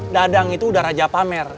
dadang itu udah raja pamer